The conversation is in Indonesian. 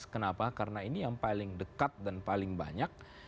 kenapa karena ini yang paling dekat dan paling banyak